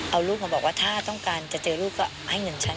เอาลูกมาบอกว่าถ้าต้องการจะเจอลูกก็ให้เงินฉัน